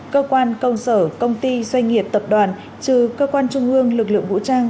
cơ quan công sở công ty doanh nghiệp tập đoàn trừ cơ quan trung ương lực lượng vũ trang